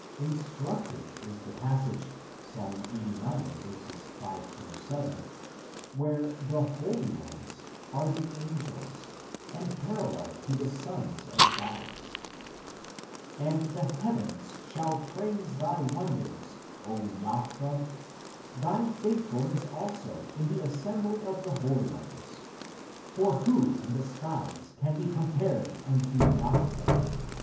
Instructive is the passage Ps. Ixxxix. 5 7 (6 8 in Hebr.), where the " holy ones " are the angels and parallel to the " sons of gods ":" And the heavens shall praise thy wonders, Jahwe ; thy faithfulness also in the assembly of the holy ones. For who in the skies can be compared unto Jahwe